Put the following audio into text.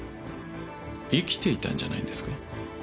生きていたんじゃないんですか？